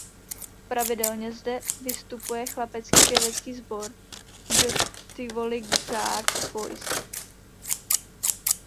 Pravidelně zde vystupuje chlapecký pěvecký sbor "The Tivoli Guard Boys".